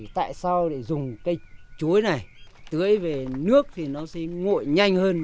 tại sao lại dùng cây chuối này tưới về nước thì nó sẽ ngội nhanh hơn